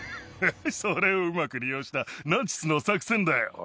それをうまく利用したナチスの作戦だよ。